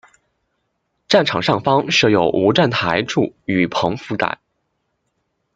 站场上方设有无站台柱雨棚覆盖。